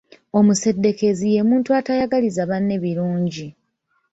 Omuseddeekezi ye muntu atayagaliza banne birungi.